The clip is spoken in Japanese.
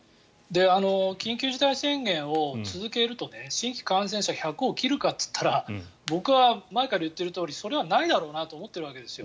緊急事態宣言を続けると新規感染者が１００を切るかといったら僕は前から言っているとおりそれはないだろうなと思っているわけですよ。